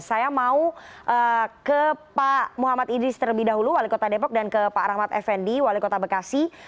saya mau ke pak muhammad idris terlebih dahulu wali kota depok dan ke pak rahmat effendi wali kota bekasi